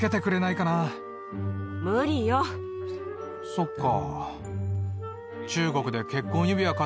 そっか。